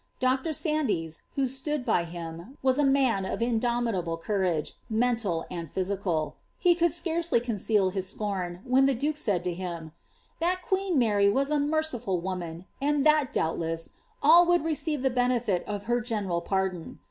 Dr. Sandys, who stood by him, was a man of indomitable courage, ineolil and physical ; he could scarcely conceal his scorn when the duke said to him, ''That queen Mary was a merciful woman, and that, doubtless, all would receive the l>enefit of her general pardon.''